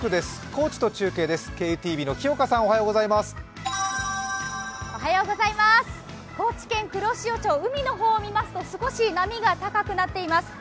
高知県黒潮町、海の方を見ますと、少し波が高くなっています。